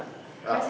terima kasih ya pak